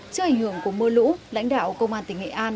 trước ảnh hưởng của mưa lũ lãnh đạo công an tỉnh nghệ an